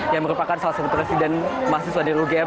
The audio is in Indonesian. yang merupakan salah satu presiden mahasiswa dari ugm